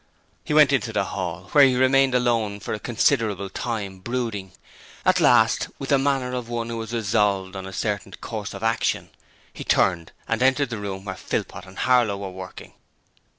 He went into the hall, where he remained alone for a considerable time, brooding. At last, with the manner of one who has resolved on a certain course of action, he turned and entered the room where Philpot and Harlow were working.